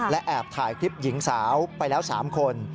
และแอบถ่ายคลิปหญิงสาวไปแล้ว๓คน